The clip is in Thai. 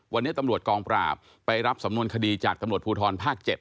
วันนี้ตำรวจกองปราบไปรับสำนวนคดีจากตำรวจภูทรภาค๗